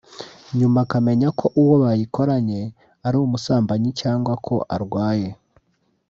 nyuma akamenya ko uwo bayikoranye ari umusambanyi cyangwa ko arwaye”